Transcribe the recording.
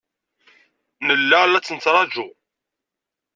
Nella la tent-nettṛaǧu.